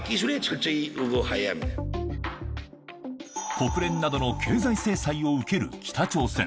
国連などの経済制裁を受ける北朝鮮。